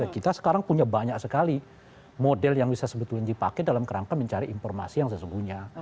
kita sekarang punya banyak sekali model yang bisa sebetulnya dipakai dalam kerangka mencari informasi yang sesungguhnya